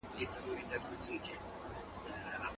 ایا اولاد لرل د انسان سره په ارامۍ کې مرسته کوي؟